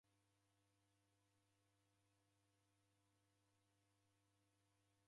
Odejoka ighu